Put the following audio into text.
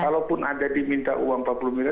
kalaupun ada diminta uang empat puluh miliar